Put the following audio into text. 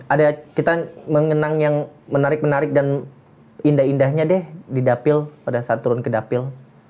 ada kita mengenang yang menarik menarik dan indah indahnya deh di dapil pada saat turun ke dapil